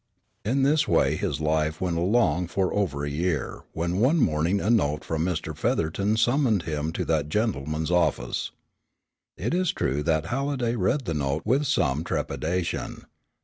In this way his life went along for over a year when one morning a note from Mr. Featherton summoned him to that gentleman's office. It is true that Halliday read the note with some trepidation.